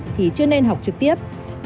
thì chưa nên học trực tiếp